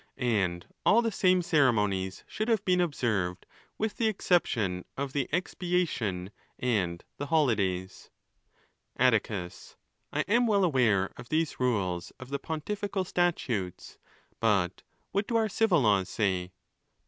And all the same ceremonies should have been observed with the exception of the expiation and the holidays. . XXIIL Attzcus—I am well aware of these rules of the pontifical statutes; but what do our civil laws say ?